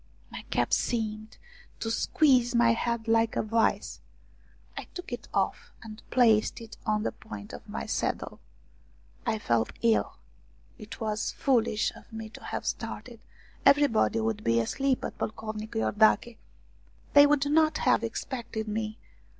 My cap seemed to squeeze my head like a vice. I took it off and placed it on the point of my saddle. I felt ill. It was foolish of me to have started. Everybody would be asleep at Pocovnicu lordache. They would not have expected me.